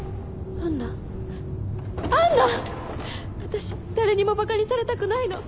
あたし誰にもばかにされたくないの。